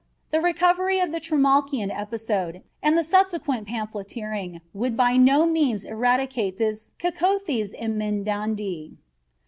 The recovery of the Trimalchionian episode, and the subsequent pamphleteering would by no means eradicate this "cacoethes emendandi."